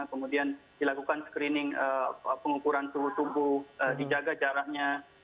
kemudian dilakukan screening pengukuran suhu tubuh dijaga jaraknya